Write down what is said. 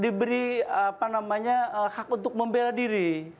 diberi hak untuk membela diri